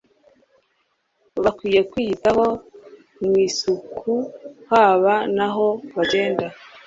bakwiye kwiyitaho mu isuku haba naho bagenda